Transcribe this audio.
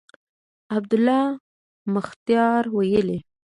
عبدالله مختیار ویلي